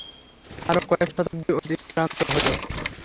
আরও কয়েক শতাব্দী অতিক্রান্ত হইল।